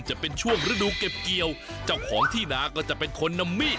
จะเป็นช่วงฤดูเก็บเกี่ยวเจ้าของที่นาก็จะเป็นคนนำมีด